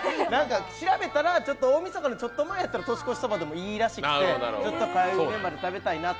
調べたら大みそかのちょっと前でも年越しそばでもいいらしくて、ずっと火曜日メンバーで食べたいなと。